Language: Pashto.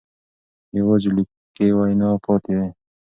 یوازې لیکلې وینا پاتې ده.